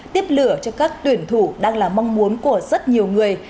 tiếp lửa cho các tuyển thủ đang là mong muốn của rất nhiều người